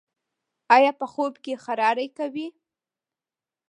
ایا په خوب کې خراری کوئ؟